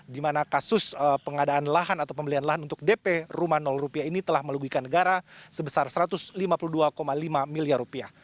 di mana kasus pengadaan lahan atau pembelian lahan untuk dp rumah rupiah ini telah melugikan negara sebesar satu ratus lima puluh dua lima miliar rupiah